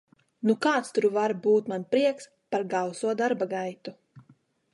Nu kāds tur var būt man prieks par gauso darba gaitu.